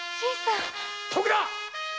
徳田！